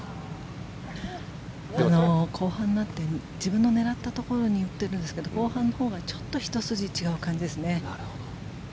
後半になって自分の狙ったところに打ってるんですけど後半のほうがちょっとひと筋違う感じですね。